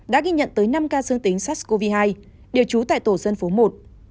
đã ghi nhận tới năm ca dương tính sars cov hai đều trú tại tổ dân phố một